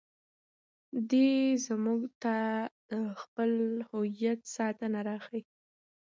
دی موږ ته د خپل هویت ساتنه راښيي.